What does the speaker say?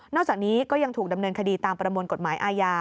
จากนี้ก็ยังถูกดำเนินคดีตามประมวลกฎหมายอาญา